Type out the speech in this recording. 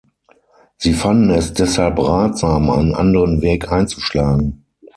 Sie fanden es deshalb ratsam, einen anderen Weg einzuschlagen.